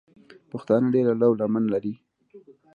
پښتانه ډېره لو لمن لري.